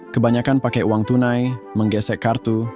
kebanyakan pakai uang tunai menggesek kartu